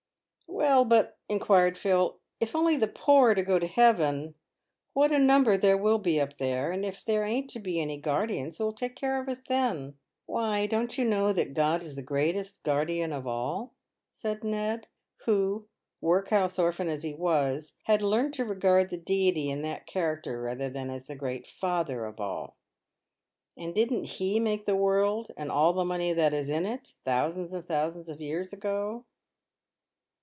" Well, but," inquired Phil, " if only the poor are to go to Heaven, what a number there will be up there ; and if there ain't to be any guardians, who will take care of us then ?"" Why, don't you know that God is the great guardian of all?" said Ned, who, workhouse orphan as he was, had learnt to regard the Deity in that character rather than as the great Father of all. " And didn't He make the world and all the money that is in it, thousands and thousands of years ago?"